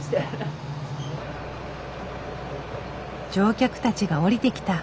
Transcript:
乗客たちが降りてきた。